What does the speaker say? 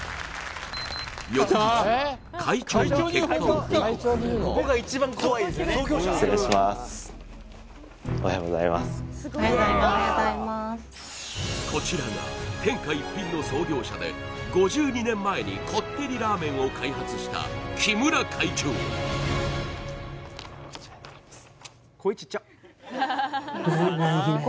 翌日おはようございますおはようございますこちらが天下一品の創業者で５２年前にこってりラーメンを開発した木村会長そうですね